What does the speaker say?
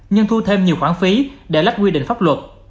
nhưng thu thêm nhiều khoản phí để lách quy định pháp luật